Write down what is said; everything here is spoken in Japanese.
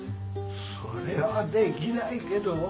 それはできないけど。